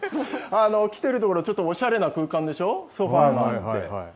来てる所、ちょっとおしゃれな空間でしょ、ソファーがあって。